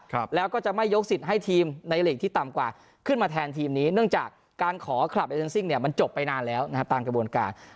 ครับแล้วก็จะไม่ยกสิทธิ์ให้ทีมในหลีกที่ต่ำกว่าขึ้นมาแทนทีมนี้เนื่องจากการขอคลับเอเนนซิ่งเนี่ยมันจบไปนานแล้วนะฮะตามกระบวนการ